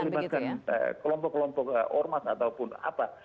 tidak harus terlibatkan kelompok kelompok hormat ataupun apa